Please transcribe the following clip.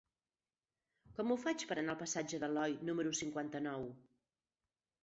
Com ho faig per anar al passatge d'Aloi número cinquanta-nou?